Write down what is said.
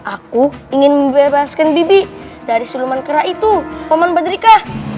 aku ingin membebaskan bibi dari suluman kera itu paman badrika